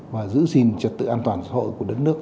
và giữ gìn trật tự an toàn xã hội của đất nước